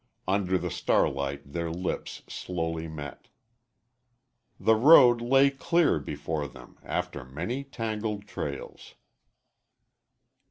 Under the starlight their lips slowly met. The road lay clear before them after many tangled trails.